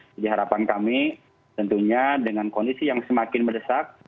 jadi harapan kami tentunya dengan kondisi yang semakin berdesak